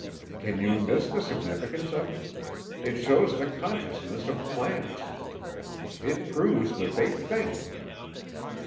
"Can you miss the significance of it? It shows the consciousness of plants. It proves that they think."